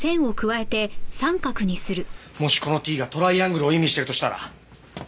もしこのＴがトライアングルを意味してるとしたら。